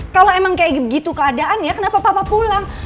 kalau emang kayak begitu keadaan ya kenapa papa pulang